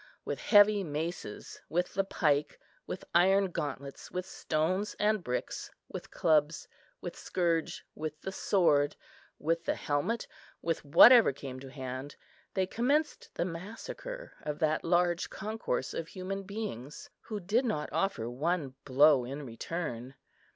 With heavy maces, with the pike, with iron gauntlets, with stones and bricks, with clubs, with scourge, with the sword, with the helmet, with whatever came to hand, they commenced the massacre of that large concourse of human beings, who did not offer one blow in return.